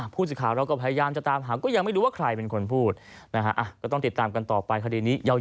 พูดสิข่าวเราก็พยายามจะตามหาก็ยังไม่รู้ว่าใครเป็นคนพูด